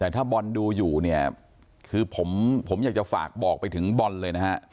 แต่ถ้าบอลดูอยู่เนี่ยคือผมอยากจะฝากบอกไปถึงบอลเลยนะฮะ